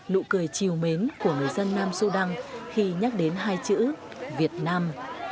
nụ cười chiều mến của người dân nam sudan khi nhắc đến hai chữ việt nam